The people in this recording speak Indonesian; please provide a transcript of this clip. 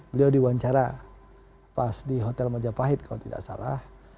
beliau diwawancara pas di hotel majapahit kalau tidak salah